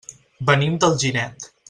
Venim d'Alginet.